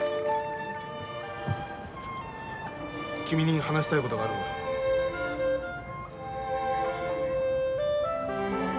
君に話したいことがあるんだ。